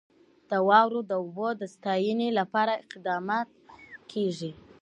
د واورو د اوبو د ساتنې لپاره اقدامات کېږي.